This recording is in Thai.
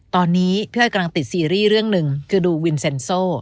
ตอนนี้พี่อ้อยกำลังติดซีรีส์เรื่องหนึ่งคือดูวินเซ็นโซ่